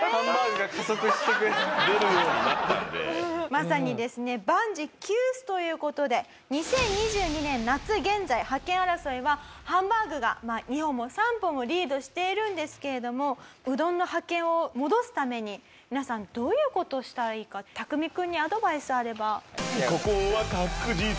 まさにですね万事休すという事で２０２２年夏現在覇権争いはハンバーグが２歩も３歩もリードしているんですけれどもうどんの覇権を戻すために皆さんどういう事をしたらいいかタクミ君にアドバイスあれば。